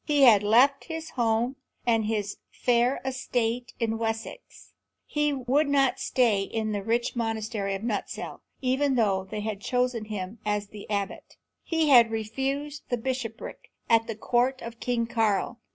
He had left his home and his fair estate in Wessex; he would not stay in the rich monastery of Nutescelle, even though they had chosen him as the abbot; he had refused a bishopric at the court of King Karl.